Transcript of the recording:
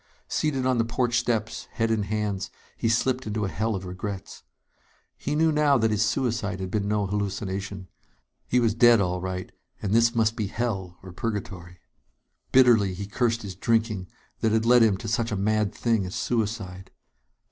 Seated on the porch steps, head in hands, he slipped into a hell of regrets. He knew now that his suicide had been no hallucination. He was dead, all right; and this must be hell or purgatory. Bitterly he cursed his drinking, that had led him to such a mad thing as suicide.